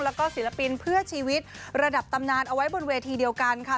แล้วก็ศิลปินเพื่อชีวิตระดับตำนานเอาไว้บนเวทีเดียวกันค่ะ